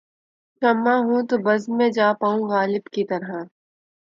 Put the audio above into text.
شمع ہوں‘ تو بزم میں جا پاؤں غالب کی طرح